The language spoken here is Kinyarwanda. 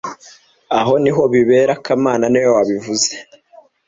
Aho niho bibera kamana niwe wabivuze